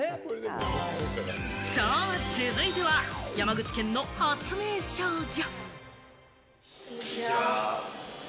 続いては、山口県の発明少女。